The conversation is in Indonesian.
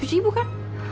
dua seribu kan